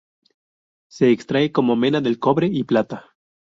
Se extrae como mena del cobre y plata.